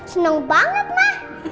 seneng banget ma